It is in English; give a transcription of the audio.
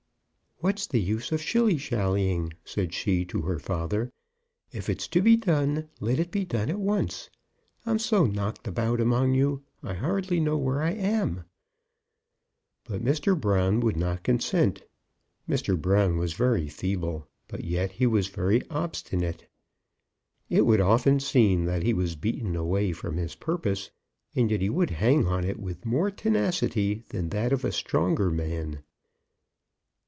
"What's the use of shilly shallying?" said she to her father. "If it is to be done, let it be done at once. I'm so knocked about among you, I hardly know where I am." But Mr. Brown would not consent. Mr. Brown was very feeble, but yet he was very obstinate. It would often seem that he was beaten away from his purpose, and yet he would hang on it with more tenacity than that of a stronger man.